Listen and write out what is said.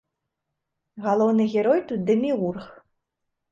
Галоўны герой тут дэміург.